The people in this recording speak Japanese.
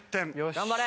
頑張れ！